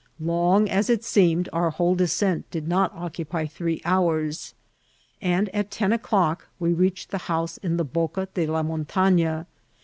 Long as it seemed, our whole descent did not oocapj three hours, and at ten o'clock we reached the house in the Boca de la Mon^ tagna.